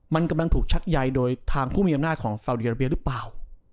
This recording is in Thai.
มันกำลังถูกชักใยโดยทางผู้มีอำนาจของสาวดีอาราเบียหรือเปล่า